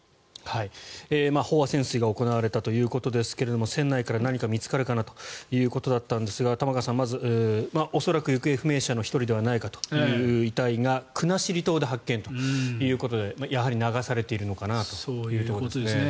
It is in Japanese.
飽和潜水が行われたということですが船内から何か見つかるかなということだったんですが玉川さん、まず恐らく行方不明者の１人ではないかという遺体が国後島で発見ということでやはり流されているのかなということですね。